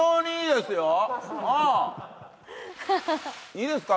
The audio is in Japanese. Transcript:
いいですか？